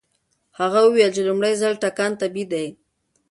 هغه وویل چې د لومړي ځل ټکان طبيعي دی.